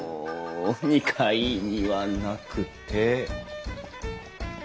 ２階にはなくて。